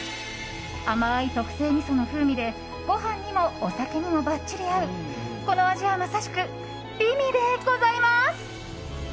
甘い特製みその風味でご飯にもお酒にもばっちり合うこの味は、まさしく美味でございます！